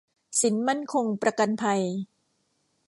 สินมั่นคงประกันภัย